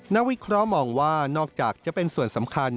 วิเคราะห์มองว่านอกจากจะเป็นส่วนสำคัญ